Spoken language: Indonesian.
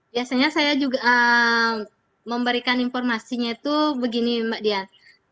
biasanya saya juga memberikan informasinya itu begini mbak dian